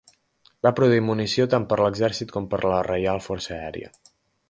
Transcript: Va produir munició tant per a l'Exèrcit com per a la Reial Força Aèria.